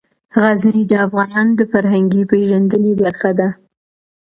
غزني د افغانانو د فرهنګي پیژندنې برخه ده.